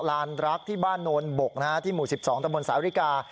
ลานรักที่บ้านนวลบกนะฮะที่หมู่สิบสองตระบวนสาวริกา